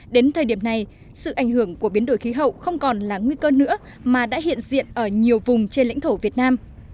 đến thời điểm này sự ảnh hưởng của biến đổi khí hậu không còn là nguy cơ nữa mà đã hiện diện ở nhiều vùng trên lãnh thổ việt nam